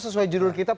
sesuai judul kita